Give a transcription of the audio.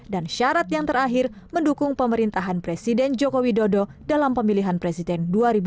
dan syarat yang terakhir mendukung pemerintahan presiden joko widodo dalam pemilihan presiden dua ribu sembilan belas